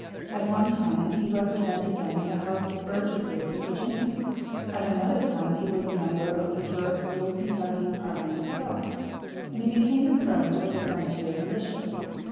At one time he represented them in the House of Burgesses of Virginia; at another time he was a member of the first little Kentucky parliament itself; and he became a colonel of the frontier militia.